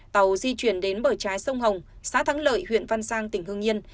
tàu di chuyển đến bờ trái sông hồng xã thắng lợi huyện văn giang tỉnh hương yên